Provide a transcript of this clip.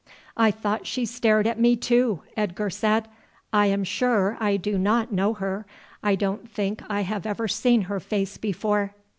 "I thought she stared at me too," Edgar said. "I am sure I do not know her. I don't think I have ever seen her face before."